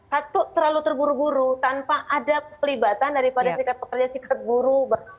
satu terlalu terburu buru tanpa ada pelibatan daripada sikat pekerja sikat guru